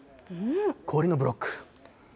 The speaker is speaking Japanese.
氷のブロック。